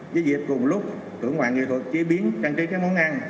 với việc cùng lúc tưởng hoạn nghệ thuật chế biến trang trí các món ăn